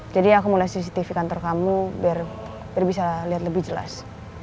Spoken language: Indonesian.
jadi aku mau liat cctv kantor kamu biar bisa liat lebih jelas